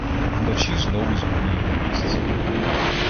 Вночі знову змінюємо місце.